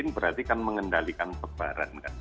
berarti kan mengendalikan pebaran